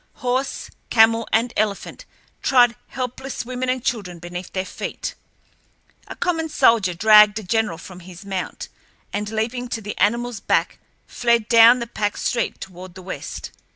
Horse, camel, and elephant trod helpless women and children beneath their feet. A common soldier dragged a general from his mount, and, leaping to the animal's back, fled down the packed street toward the west.